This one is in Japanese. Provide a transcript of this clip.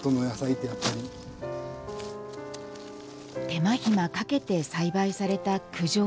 手間暇かけて栽培された九条